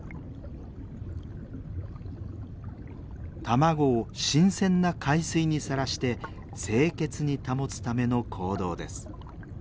卵を新鮮な海水にさらして清潔に保つための行動です。